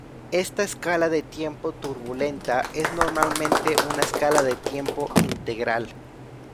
Esta escala de tiempo turbulenta es normalmente una escala de tiempo integral.